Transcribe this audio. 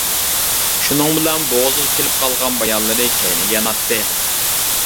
شۇنىڭ بىلەن بوغۇزىغا كېلىپ قالغان بايانلىرى كەينىگە ياناتتى.